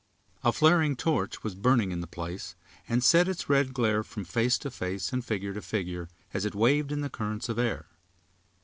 A flaring torch was burning in the place, and set its red glare from face to face and figure to figure, as it waved in the currents of air.